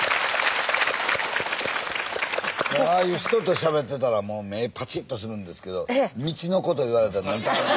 ああいう人としゃべってたら目パチッとするんですけど道の事言われたら眠たい。